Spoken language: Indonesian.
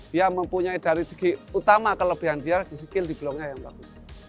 dia mempunyai dari segi utama kelebihan dia di skill di bloknya yang bagus